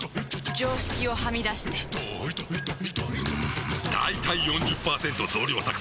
常識をはみ出してんだいたい ４０％ 増量作戦！